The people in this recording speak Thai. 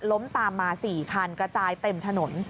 ล้มตามมา๔คันกระจายเต็มถนน